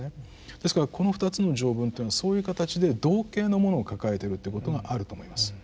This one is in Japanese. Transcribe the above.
ですからこの２つの条文っていうのはそういう形で同形のものを抱えてるっていうことがあると思います。